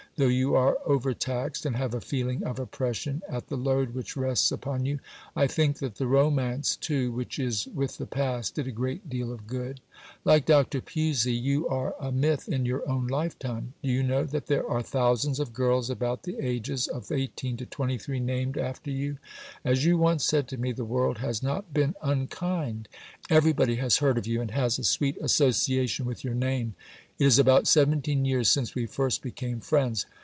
though you are overtaxed and have a feeling of oppression at the load which rests upon you. I think that the romance, too, which is with the past, did a great deal of good. Like Dr. Pusey, you are a Myth in your own life time. Do you know that there are thousands of girls about the ages of 18 to 23 named after you? As you once said to me "the world has not been unkind." Everybody has heard of you and has a sweet association with your name. It is about 17 years since we first became friends.